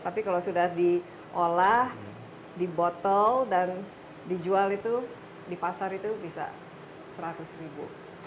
tapi kalau sudah diolah dibotol dan dijual itu di pasar itu bisa seratus ribu